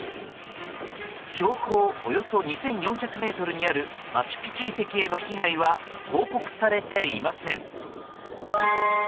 標高およそ２４００ｍにあるマチュピチュ遺跡への被害は報告されていません。